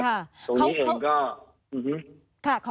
ตรงนี้ก็